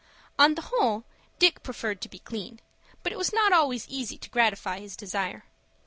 On the whole, Dick preferred to be clean, but it was not always easy to gratify his desire.